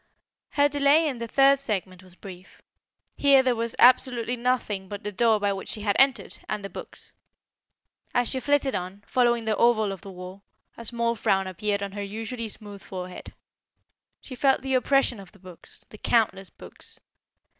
Her delay in the third segment was brief. Here there was absolutely nothing but the door by which she had entered, and the books. As she flitted on, following the oval of the wall, a small frown appeared on her usually smooth forehead. She felt the oppression of the books the countless books.